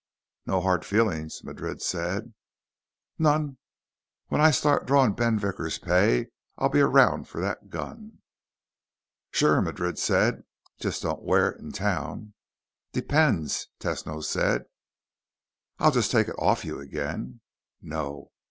"No hard feelings," Madrid said. "None. When I start drawing Ben Vickers' pay, I'll be around for that gun." "Sure," Madrid said. "Just don't wear it in town." "Depends," Tesno said. "I'd just take it off you again." "No.